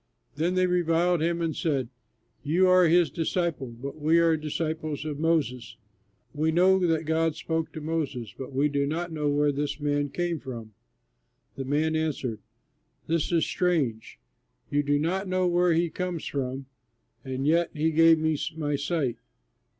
Then they reviled him and said, "You are his disciple, but we are disciples of Moses. We know that God spoke to Moses, but we do not know where this man came from." The man answered, "This is strange! You do not know where he comes from, and yet he gave me my sight!